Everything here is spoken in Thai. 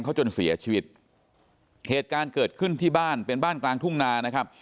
เกษตรการเกิดขึ้นที่บ้านเป็นบ้านกลางทุ่งนานะครับ